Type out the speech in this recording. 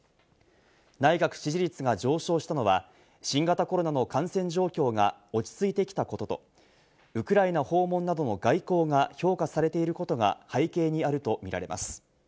内閣支持率が上昇したのは新型コロナの感染状況が落ち着いてきたことと、ウクライナ訪問などの外交が評価されていることが背景にあるとみられます。